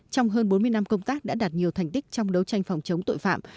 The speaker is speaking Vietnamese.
trong hơn bốn mươi năm công tác đã đạt nhiều thành tích trong đấu tranh phòng chống tội phạm